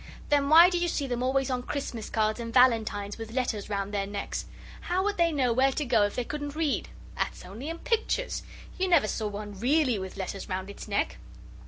"Then why do you see them always on Christmas cards and valentines with letters round their necks? How would they know where to go if they couldn't read?" "That's only in pictures. You never saw one really with letters round its neck."